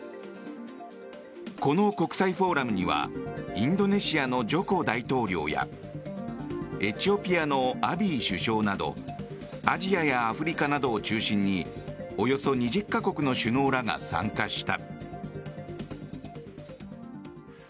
この国際フォーラムにはインドネシアのジョコ大統領やエチオピアのアビー首相などアジアやアフリカなどを中心におよそ２０か国の首脳らが参加した。